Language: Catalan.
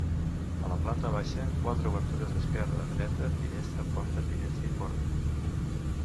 A la planta baixa, quatre obertures, d'esquerra a dreta: finestra, porta, finestra i porta.